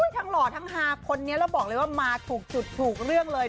ทั้งหล่อทั้งฮาคนนี้เราบอกเลยว่ามาถูกถูกเรื่องเลย